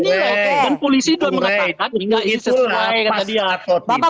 dan polisi juga mengatakan